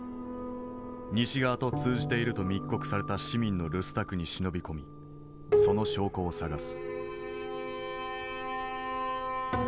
西側と通じていると密告された市民の留守宅に忍び込みその証拠を探す。